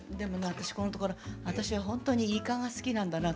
私このところ私はほんとにイカが好きなんだなと。